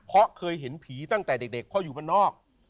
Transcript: เพราะเคยเห็นผีตั้งแต่เด็กเพราะอยู่บ้านนอก